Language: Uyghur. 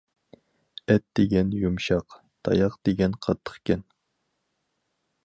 ئەت دېگەن يۇمشاق، تاياق دېگەن قاتتىقكەن.